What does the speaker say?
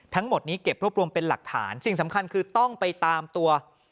ทั้งหมดนี้เก็บรวบรวมเป็นหลักฐานสิ่งสำคัญคือต้องไปตามตัว